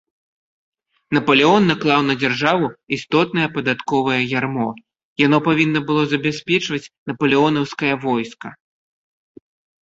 Напалеон наклаў на дзяржаву істотнае падатковае ярмо, яно павінна было забяспечваць напалеонаўскае войска.